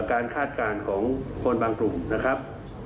คาดการณ์ของคนบางกลุ่มนะครับ